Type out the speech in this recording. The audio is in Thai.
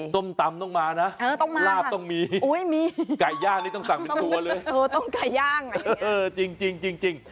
ต้มตำต้องมานะลาบต้องมีไก่ย่างนี้ต้องสั่งเป็นตัวเลยจริง